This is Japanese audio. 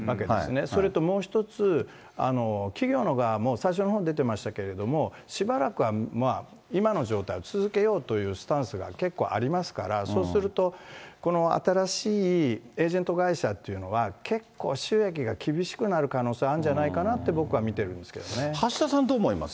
それともう一つ、企業の側も、最初のほうに出てましたけれども、しばらくは今の状態続けようというスタンスが結構ありますから、そうするとこの新しいエージェント会社っていうのは、結構収益が厳しくなる可能性あるんじゃないかなって、僕は見てる橋田さん、どう思われます？